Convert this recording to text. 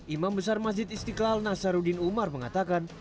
imam besar masjid istiqlal nasaruddin umar mengatakan